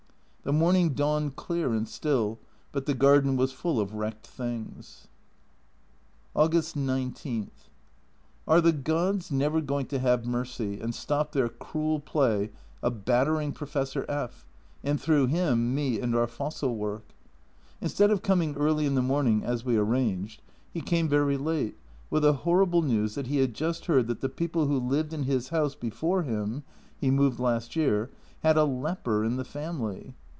The morning dawned clear and still, but the garden was full of wrecked things. August 19. Are the gods never going to have mercy and stop their cruel play of battering Professor F , and through him me and our fossil work? In stead of coming early in the morning, as we arranged, he came very late, with the horrible news that he had just heard that the people who lived in his house before him (he moved last year) had a leper in the family